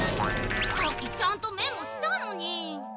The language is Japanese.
さっきちゃんとメモしたのに。